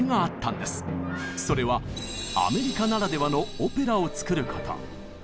それはアメリカならではのオペラを作ること。